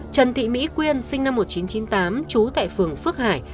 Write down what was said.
trần thị mỹ quyên sinh năm một nghìn chín trăm chín mươi tám trú tại phường phước hải